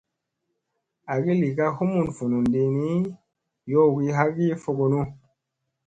Agi li ka humun vunun di ni yowgi hagi fogonu.